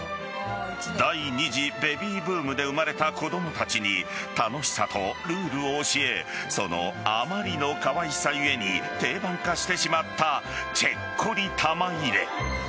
第２次ベビーブームで生まれた子供たちに楽しさとルールを教えそのあまりのかわいさゆえに定番化してしまったチェッコリ玉入れ。